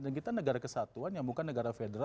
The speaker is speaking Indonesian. dan kita negara kesatuan yang bukan negara federal